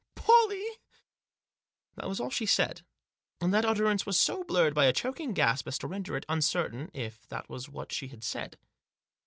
" Pollie I" That was all she said ; and that utterance was so blurred by a choking gasp as to render it uncertain if that was what she had said.